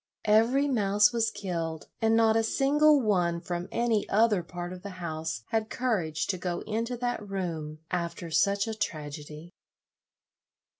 Every mouse was killed, and not a single one from any other part of the house had courage to go into that room after such a tragedy.